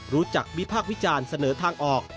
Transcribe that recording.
รู้จักวิภาควิจารณ์เสนอทางออก